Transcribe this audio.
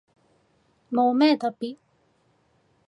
冇咩特別